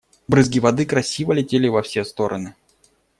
Брызги воды красиво летели во все стороны.